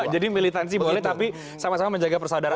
jadi militansi boleh tapi sama sama menjaga persaudaraan